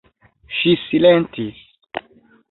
Ŝi silentis.